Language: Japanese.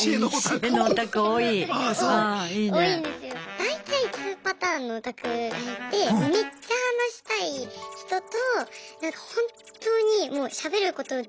大体２パターンのオタクがいてめっちゃ話したい人となんか本当にもうしゃべることすらできない。